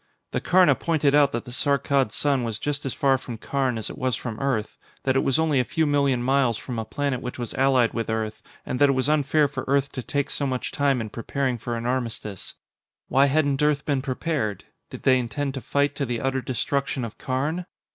The Karna pointed out that the Saarkkad sun was just as far from Karn as it was from Earth, that it was only a few million miles from a planet which was allied with Earth, and that it was unfair for Earth to take so much time in preparing for an armistice. Why hadn't Earth been prepared? Did they intend to fight to the utter destruction of Karn?